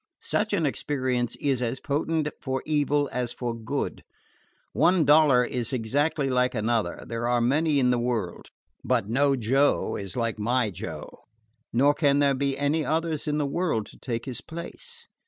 Such an experience is as potent for evil as for good. One dollar is exactly like another there are many in the world: but no Joe is like my Joe, nor can there be any others in the world to take his place.